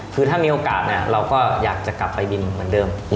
คือถ้ามีโอกาสเราก็อยากจะกลับไปบินเหมือนเดิม